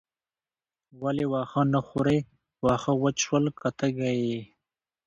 ولې واښه نه خورې واښه وچ شول که تږې یې.